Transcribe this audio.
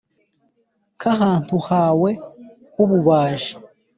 nk'ahantu hawe h'ubumaji.